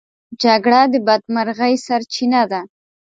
جګړه د بدمرغۍ سرچينه ده.